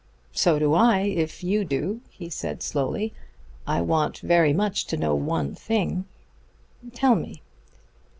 "So do I, if you do," he said slowly. "I want very much to know one thing." "Tell me."